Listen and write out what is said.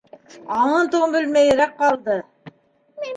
Аңын-тоңон белмәйерәк ҡалды.